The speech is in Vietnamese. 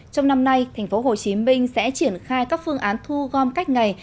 trong năm nay tp hcm sẽ triển khai các phương án thu gom cách ngày